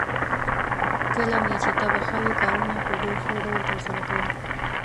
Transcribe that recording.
کله مې چې طبعه ښه وي، کارونه په ډېر ښه ډول ترسره کوم.